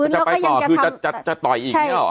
จะไปต่อคือจะต่อยอีกเนี่ยเหรอ